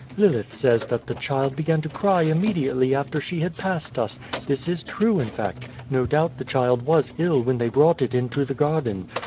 Xilith says that the child began to cry immediately after she had passed us. This is true in fact. No doubt the child was ill when they brought it into the garden.